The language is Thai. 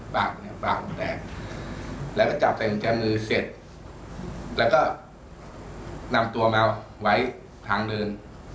ปากปากแล้วก็จับใส่แจมือเสร็จแล้วก็นำตัวมาไว้ทางเดิน